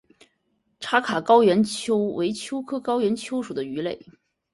茶卡高原鳅为鳅科高原鳅属的鱼类。